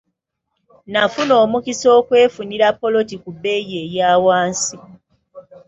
Nafuna omukisa okwefunira ppoloti ku bbeeyi eya wansi.